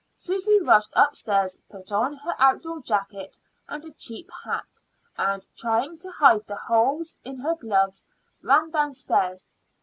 Susy rushed upstairs, put on her outdoor jacket and a cheap hat, and, trying to hide the holes in her gloves, ran downstairs.